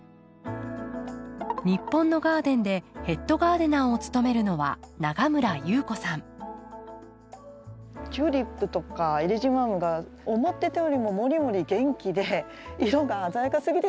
日本のガーデンでヘッドガーデナーを務めるのはチューリップとかエリシマムが思ってたよりももりもり元気で色が鮮やかすぎてですね